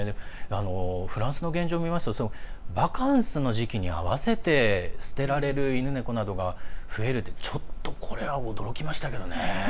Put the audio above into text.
フランスの現状を見ますとバカンスの時期に合わせて捨てられる犬、猫などが増えるって、ちょっとこれは驚きましたけどね。